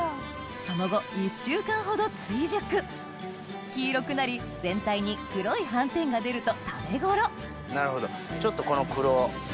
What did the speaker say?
その後黄色くなり全体に黒い斑点が出ると食べ頃なるほどちょっとこの黒。